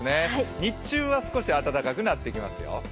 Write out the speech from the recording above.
日中は少し暖かくなってきますよ。